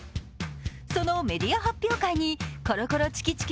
そのメディア発表会にコロコロチキチキ